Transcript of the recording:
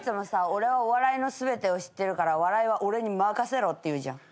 「俺はお笑いの全てを知ってるから笑いは俺に任せろ」って言うじゃん。